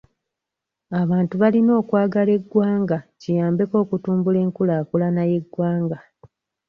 Abantu balina okkwagala eggwanga kiyambeko okutumbula enkulaakulana y'eggwanga.